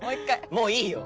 もういいよ。